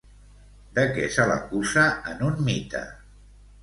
De què se l'acusa en un mite?